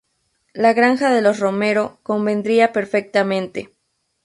La granja de los Romero convendría perfectamente...